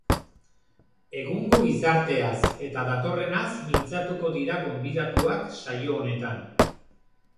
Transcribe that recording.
Egungo gizarteaz eta datorrenaz mintzatuko dira gonbidatuak saio honetan.